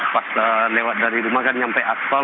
pas lewat dari rumah kan nyampe asfal